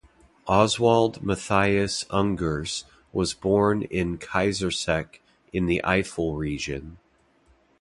Oswald Mathias Ungers was born in Kaisersesch in the Eifel region.